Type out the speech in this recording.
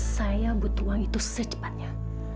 saya butuh uang itu secepatnya